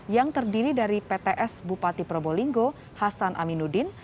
yang terdiri dari pts bupati probolinggo hasan aminuddin